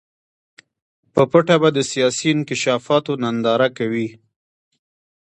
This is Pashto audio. په پټه به د سیاسي انکشافاتو ننداره کوي.